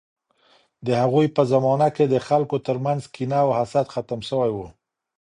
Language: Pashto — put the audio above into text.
د هغوی په زمانه کې د خلکو ترمنځ کینه او حسد ختم شوی و.